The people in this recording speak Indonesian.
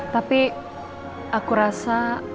tapi aku rasa